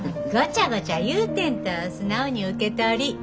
ごちゃごちゃ言うてんと素直に受け取り。